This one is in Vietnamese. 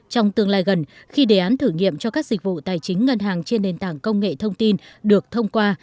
trong tương lai gần khi đề án thử nghiệm cho các dịch vụ tài chính ngân hàng trên nền tảng công nghệ thông tin được thông qua